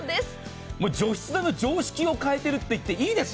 除湿剤の常識を変えていると言っていいです。